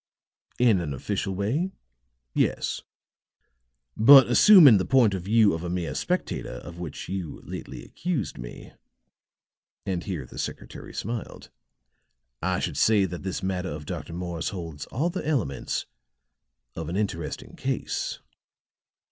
"In an official way, yes. But, assuming the point of view of a mere spectator, of which you lately accused me," and here the secretary smiled, "I should say that this matter of Dr. Morse holds all the elements of an interesting case."